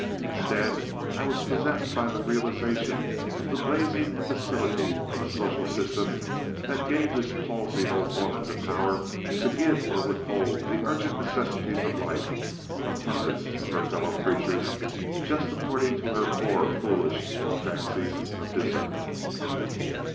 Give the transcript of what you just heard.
Instead, I was possessed by a realization of the blazing imbecility of a social system that gave this palsied old woman the power to give or withhold the urgent necessities of life from hundreds of her fellow creatures just according to her poor, foolish old fancies of desert.